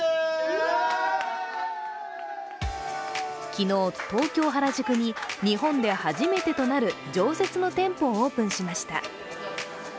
昨日、東京・原宿に日本で初めてとなる常設の店舗をオープンしました。